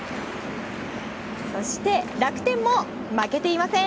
楽天も負けていません。